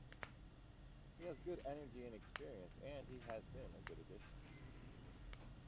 He has good energy and experience and he has been a good addition.